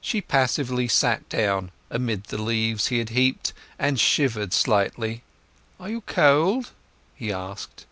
She passively sat down amid the leaves he had heaped, and shivered slightly. "Are you cold?" he asked.